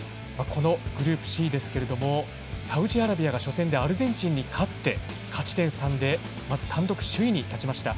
このグループＣですけれどもサウジアラビアが初戦でアルゼンチンに勝って勝ち点３でまず単独首位に立ちました。